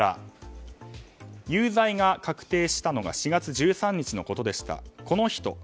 有罪が確定したのが４月１３日のことでした。